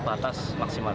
sampai batas maksimal